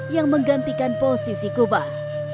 yang menggantikan posisi kubah